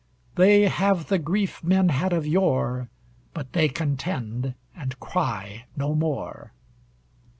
They have the grief men had of yore, But they contend and cry no more.